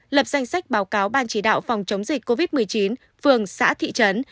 lập danh sách báo cáo ban chỉ đạo phòng chống dịch covid một mươi chín phường xã thị trấn